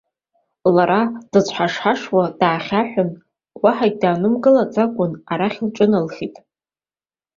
Лара дыцәҳашҳауа даахьаҳәын, уаҳа даанымгылаӡакәа арахь лҿаалхеит.